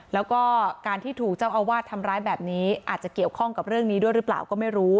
แล้วก็การที่ถูกเจ้าอาวาสทำร้ายแบบนี้อาจจะเกี่ยวข้องกับเรื่องนี้ด้วยหรือเปล่าก็ไม่รู้